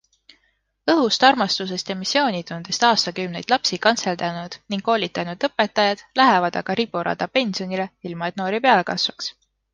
Õhust, armastusest ja missioonitundest aastakümneid lapsi kantseldanud ning koolitanud õpetajad lähevad aga riburada pensionile, ilma et noori peale kasvaks.